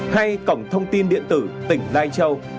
hay cổng thông tin điện tử tỉnh đai châu